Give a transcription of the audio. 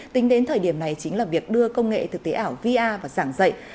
tính đến thời điểm này chính là việc đưa công nghệ thực tế ảo vr và giảng dạy